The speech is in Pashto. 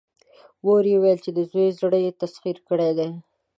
مور يې وويل چې د زوی زړه يې تسخير کړی دی.